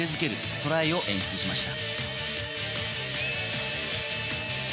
トライを演出しました。